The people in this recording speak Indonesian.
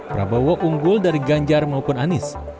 prabowo unggul dari ganjar maupun anies